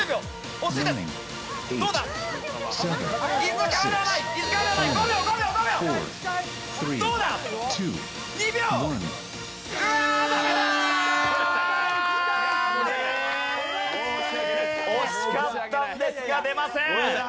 惜しかったんですが出ません。